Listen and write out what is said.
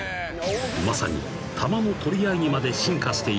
［まさにタマの取り合いにまで進化していったのだ］